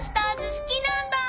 すきなんだ。